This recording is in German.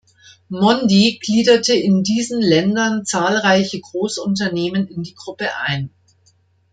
Mondi gliederte in diesen Ländern zahlreiche Großunternehmen in die Gruppe ein.